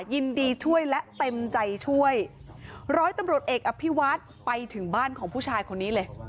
ยินดีช่วยและเต็มใจช่วยร้อยตำรวจเอกอภิวัฒน์ไปถึงบ้านของผู้ชายคนนี้เลย